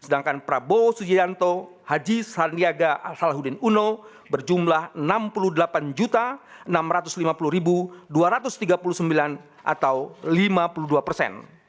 sedangkan prabowo subianto haji sandiaga salahuddin uno berjumlah enam puluh delapan enam ratus lima puluh dua ratus tiga puluh sembilan atau lima puluh dua persen